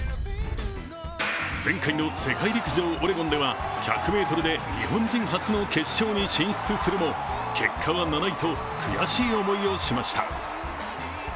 前回の世界陸上オレゴンでは１００ｍで日本人初の決勝に進出するも結果は７位と悔しい思いをしました。